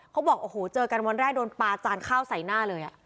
เขาบอกโอ้โหเจอกันวันแรกโดนปลาจานข้าวใส่หน้าเลย